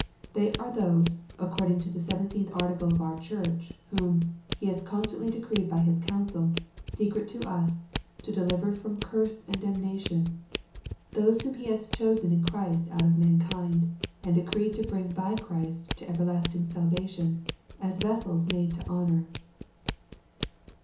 They are those, according to the seventeenth article of our church, whom " He has constantly decreed by His counsel, secret to us, to deliver from curse and damnation ; those whom He hath chosen in Christ out of mankind, and decreed to bring by Christ to everlasting salvation, as vessels made to honor."